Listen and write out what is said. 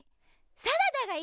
サラダがいい！